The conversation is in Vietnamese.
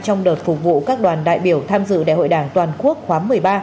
trong đợt phục vụ các đoàn đại biểu tham dự đại hội đảng toàn quốc khóa một mươi ba